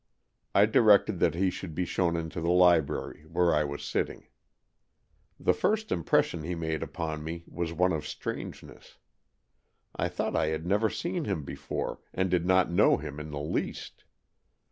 I directed that he should be shown into the library where I was sitting. The first impression he made upon me was one of strangeness. I thought I had never seen him before, and did not know him in the least.